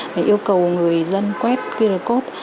phải yêu cầu người dân quét qr code